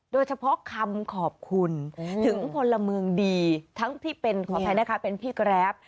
โดยเฉพาะคำขอบคุณถึงพลเมืองดีทั้งพี่เป็นขออภัยนะคะเป็นพี่แกรป